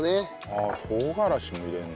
ああ唐辛子も入れるんだ。